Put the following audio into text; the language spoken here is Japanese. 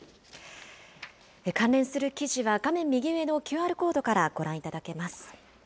関連する記事は、画面右上のＱＲコードからご覧いただけます。